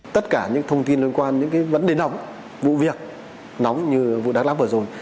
tất cả những thông tin liên quan đến vấn đề nóng vụ việc nóng như vụ đắk lắp vừa rồi